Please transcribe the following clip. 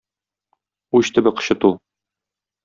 Уч төбе кычыту.